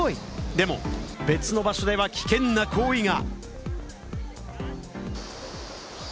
でも別の場所では、危険な行為が。